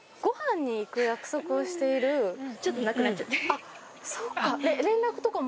あっそっか。